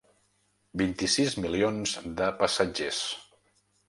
Vint-i-sis milions de passatgers.